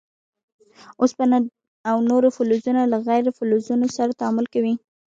اوسپنه او نور فلزونه له غیر فلزونو سره تعامل کوي.